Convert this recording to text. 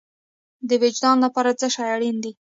د وجدان لپاره څه شی اړین دی؟